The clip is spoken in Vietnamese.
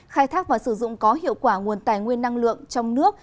khai thác và sử dụng có hiệu quả nguồn tài nguyên năng lượng trong nước